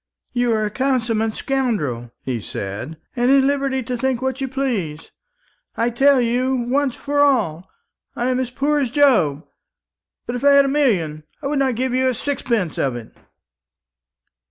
"You are a consummate scoundrel," he said, "and are at liberty to think what you please. I tell you, once for all, I am as poor as Job. But if I had a million, I would not give you a sixpence of it."